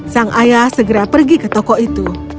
sang ayah segera pergi ke toko itu